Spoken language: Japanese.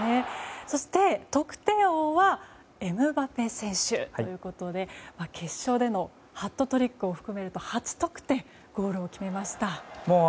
そして得点王はエムバペ選手ということで決勝でのハットトリックを含めると８得点、ゴールを決めました。